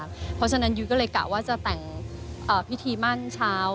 เพราะฉะนั้นยุ้ยก็เลยกะว่าจะแต่งพิธีมั่นเช้า